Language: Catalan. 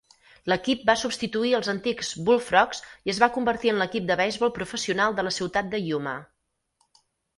L'equip va substituir els antics Bullfrogs i es va convertir en l'equip de beisbol professional de la ciutat de Yuma.